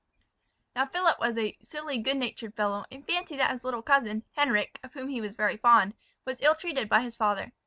Now Philip was a silly, good natured fellow, and fancied that his little cousin, Henric, of whom he was very fond, was ill treated by his father.